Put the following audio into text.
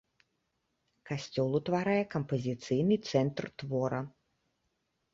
Касцёл утварае кампазіцыйны цэнтр твора.